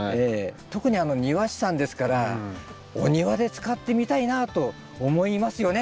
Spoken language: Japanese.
特に庭師さんですからお庭で使ってみたいなと思いますよね？